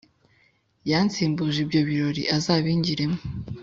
yansimbuje ibyo birori uzabingiremo